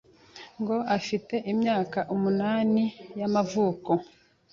ngo afite imyaka umunani y’ amavuko